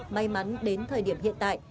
may mắn đến thời điểm hiện tại